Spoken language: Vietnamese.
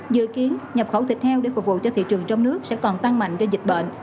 dự kiến nhập khẩu thịt heo để phục vụ cho thị trường trong nước sẽ còn tăng mạnh do dịch bệnh